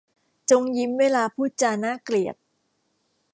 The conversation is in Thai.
จงยิ้มเวลาพูดจาน่ารังเกียจ